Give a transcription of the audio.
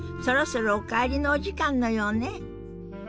そろそろお帰りのお時間のようね。